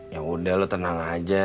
ya udah lu tenang aja